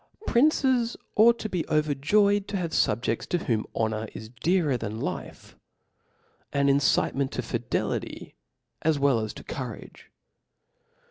Princes ought to' be overjbyed to have fubje<a^§ to whom honor i$ dearer than life; ah incitement to fidelity as well as to courage.'